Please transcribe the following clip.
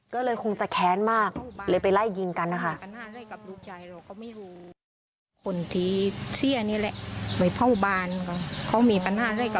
ก็เลยคงจะแค้นมากเลยไปไล่ยิงกันนะคะ